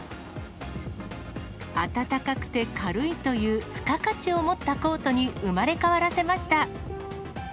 暖かくて軽いという付加価値を持ったコートに生まれ変わらせました。